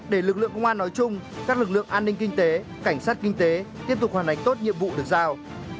để lực lượng công an nói chung các lực lượng an ninh kinh tế cảnh sát kinh tế tiếp tục hoàn thành tốt nhiệm vụ được giao